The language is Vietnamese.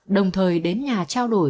đồng thời đến nhà trao đổi